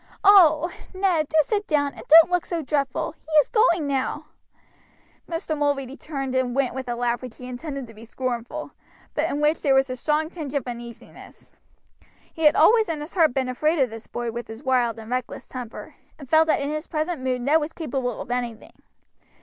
Oh! Ned, do sit down, and don't look so dreadful; he is going now." Mr. Mulready turned and went with a laugh which he intended to be scornful, but in which there was a strong tinge of uneasiness. He had always in his heart been afraid of this boy with his wild and reckless temper, and felt that in his present mood Ned was capable of anything.